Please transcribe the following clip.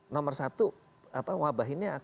nomor satu wabah ini